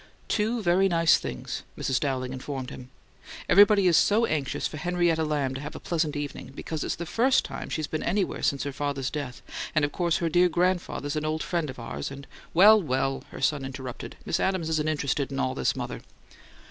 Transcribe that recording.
"Two very nice things," Mrs. Dowling informed him. "Everybody is so anxious for Henrietta Lamb to have a pleasant evening, because it's the very first time she's been anywhere since her father's death, and of course her dear grandfather's an old friend of ours, and " "Well, well!" her son interrupted. "Miss Adams isn't interested in all this, mother."